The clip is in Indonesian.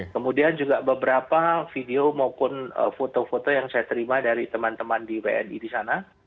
kemudian juga beberapa video maupun foto foto yang saya terima dari teman teman di wni di sana